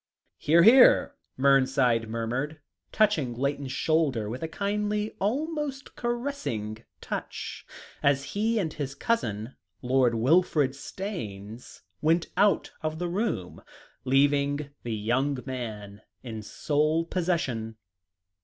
"Hear, hear," Mernside murmured, touching Layton's shoulder with a kindly, almost caressing touch, as he and his cousin, Lord Wilfrid Staynes, went out of the room, leaving the young man in sole possession.